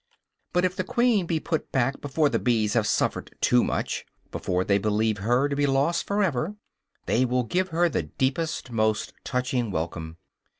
But if the queen be put back before the bees have suffered too much, before they believe her to be lost forever, they will give her the deepest, most touching welcome.